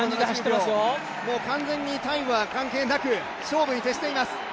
もう完全にタイムは関係なく、勝負に徹しています。